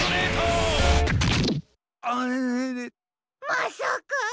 まさか！？